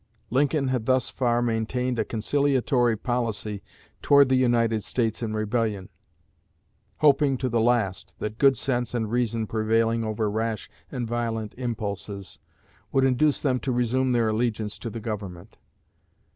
Lincoln had thus far maintained a conciliatory policy toward the States in rebellion, hoping to the last that good sense and reason prevailing over rash and violent impulses would induce them to resume their allegiance to the Government.